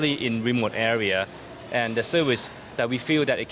dan perusahaan yang kami rasakan bisa menjadi